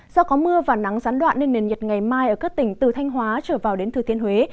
do có mưa và nắng gián đoạn nên nền nhiệt ngày mai ở các tỉnh từ thanh hóa trở vào đến thừa thiên huế